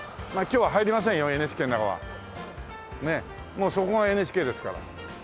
もうそこがＮＨＫですから。